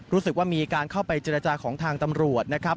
รู้สึกว่ามีการเข้าไปเจรจาของทางตำรวจนะครับ